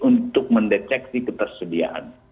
untuk mendeteksi ketersediaan